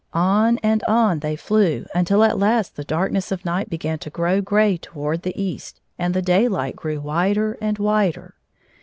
On and on they flew, until at last the darkness of night began to grow gray toward the east, and the dayUght grew wider and wider.